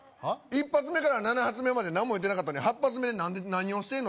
１発目から７発目まで何も言ってなかったのに８発目「何をしてんの？」